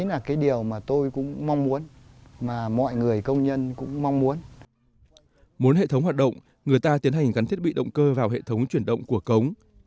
muốn hệ thống hoạt động người ta tiến hành gắn thiết bị động cơ vào hệ thống chuyển động của cống